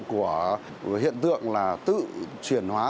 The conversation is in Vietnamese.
của hiện tượng là tự chuyển hóa